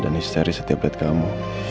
dan histeri setiap lihat kamu